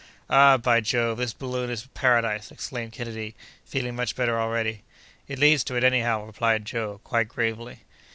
"Ah! by Jove, this balloon is a paradise!" exclaimed Kennedy, feeling much better already. "It leads to it, anyhow!" replied Joe, quite gravely.